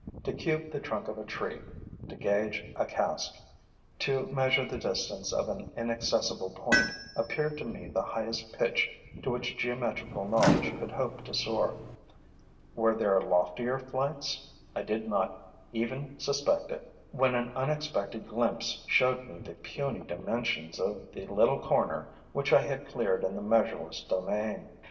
To cube the trunk of a tree, to gauge a cask, to measure the distance of an inaccessible point appeared to me the highest pitch to which geometrical knowledge could hope to soar. Were there loftier flights? I did not even suspect it, when an unexpected glimpse showed me the puny dimensions of the little corner which I had cleared in the measureless domain.